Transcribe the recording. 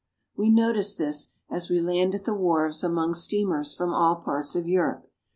We notice this as we land at the wharves among steamers from all parts of Europe.